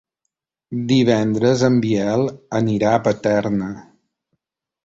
Divendres en Biel anirà a Paterna.